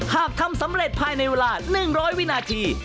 ถ้าทำสำเร็จภายในเวลาหนึ่งร้อยวินาที